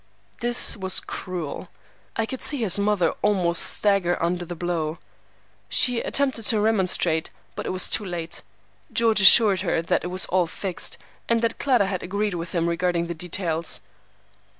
This was cruel. I could see his mother almost stagger under the blow. She attempted to remonstrate, but it was too late. George assured her that "it was all fixed," and that Clara had agreed with him regarding the details.